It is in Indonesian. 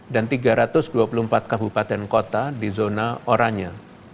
dan tiga ratus dua puluh empat kabupaten kota di zona oranye